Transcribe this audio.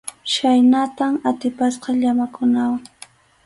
Chhaynatam atipasqa llamakunawan.